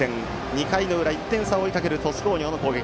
２回の裏、１点差を追いかける鳥栖工業の攻撃。